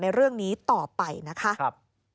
ในเรื่องนี้ต่อไปนะคะ